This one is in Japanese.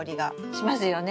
しますよね。